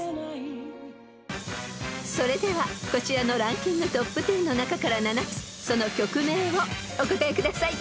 ［それではこちらのランキングトップ１０の中から７つその曲名をお答えください］